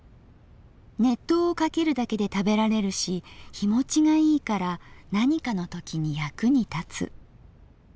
熱湯をかけるだけで食べられるし日保ちがいいから何かのときに役に立つ」。